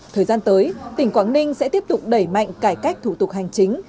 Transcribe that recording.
thời gian tới tỉnh quảng ninh sẽ tiếp tục đẩy mạnh cải cách thủ tục hành chính